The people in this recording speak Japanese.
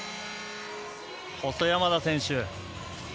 細山田選手。